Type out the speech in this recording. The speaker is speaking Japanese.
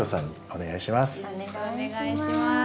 お願いします。